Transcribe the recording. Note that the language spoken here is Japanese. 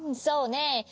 そうねえ。